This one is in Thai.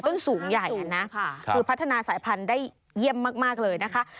คือพัฒนาสายพันธุ์ได้เยี่ยมมากเลยนะคะ